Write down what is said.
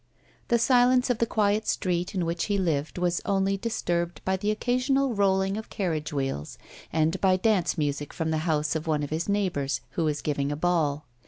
The silence of the quiet street in which he lived was only disturbed by the occasional rolling of carriage wheels, and by dance music from the house of one of his neighbours who was giving a ball.